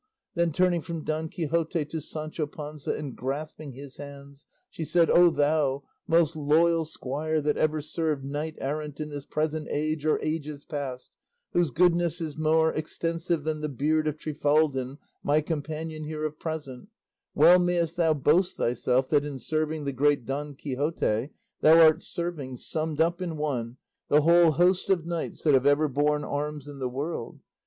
Then turning from Don Quixote to Sancho Panza, and grasping his hands, she said, "O thou, most loyal squire that ever served knight errant in this present age or ages past, whose goodness is more extensive than the beard of Trifaldin my companion here of present, well mayest thou boast thyself that, in serving the great Don Quixote, thou art serving, summed up in one, the whole host of knights that have ever borne arms in the world.